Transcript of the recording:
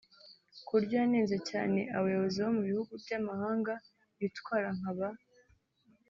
ku buryo yanenze cyane abayobozi bo mu bihugu by’amahanga bitwara nka ba